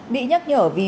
bị nhắc nhở vì